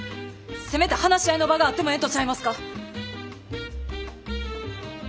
せめて話し合いの場があってもええんとちゃいますか？